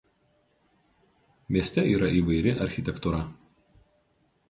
Mieste yra įvairi architektūra.